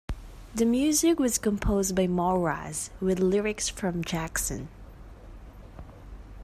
The music was composed by Moraz, with lyrics from Jackson.